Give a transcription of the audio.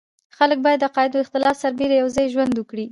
خلک باید د عقایدو د اختلاف سربېره یو ځای ژوند وکړي.